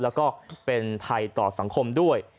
แล้วก็เป็นภัยต่อสังคมด้วย